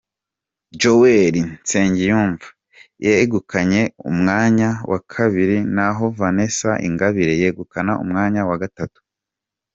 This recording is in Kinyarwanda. Johali Nsengiyumva yegukanye umwanya wa kabiri naho Vanessa Ingabire yegukana umwanya wa gatatu.